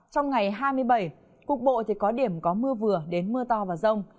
trong ngày hai mươi bảy cục bộ thì có điểm có mưa vừa đến mưa to và rông